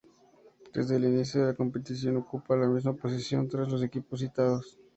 Desde el inicio de la competición, ocupa la misma posición tras los equipos citados.